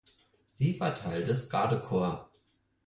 Sie war Teil des Gardekorps.